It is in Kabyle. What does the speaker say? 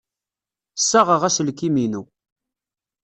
Ssaɣeɣ aselkim-inu.